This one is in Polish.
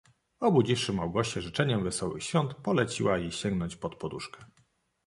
"Obudziwszy Małgosię życzeniem wesołych świąt, poleciła jej sięgnąć pod poduszkę."